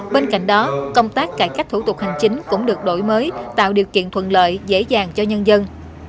bên cạnh đó công tác cải cách thủ tục hành chính cũng được đổi mới tạo điều kiện thuận lợi dễ dàng cho nhân dân